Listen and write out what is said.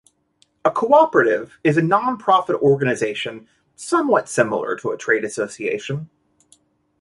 A cooperative is a non-profit organization somewhat similar to a trade association.